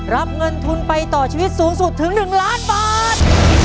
รับเงินทุนไปต่อชีวิตสูงสุดถึง๑ล้านบาท